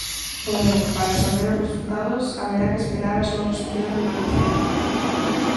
Porén, para saber os resultados haberá que esperar á súa posterior recolección.